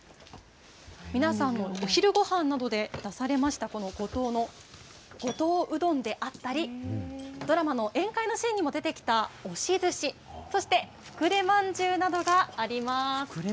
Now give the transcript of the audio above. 皆さんもお昼ごはんなどで出されました、この五島の五島うどんであったり、ドラマの宴会のシーンにも出てきた押しずし、そしてふくれまんじゅうなどがあります。